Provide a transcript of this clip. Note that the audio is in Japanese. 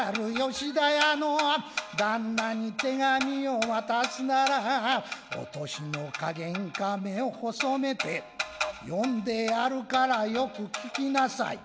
吉田屋の旦那に手紙を渡すならお年の加減か目を細めて読んでやるからよく聞きなさい